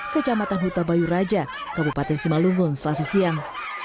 kecamatan huta bayu raja kabupaten simalungun selasa siang